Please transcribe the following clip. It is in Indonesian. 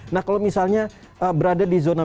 nah kalau misalnya berada di zona